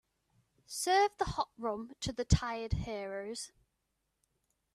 Serve the hot rum to the tired heroes.